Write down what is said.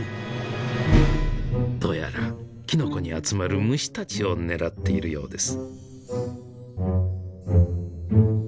どうやらきのこに集まる虫たちをねらっているようです。